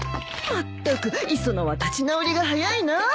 まったく磯野は立ち直りが早いな。